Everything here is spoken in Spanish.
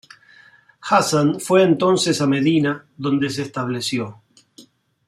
Hasan fue entonces a Medina donde se estableció.